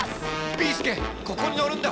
ビーすけここに乗るんだ！